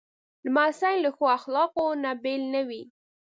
لمسی له ښو اخلاقو نه بېل نه وي.